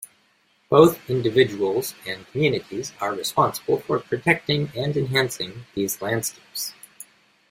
Both individuals and communities are responsible for protecting and enhancing these landscapes.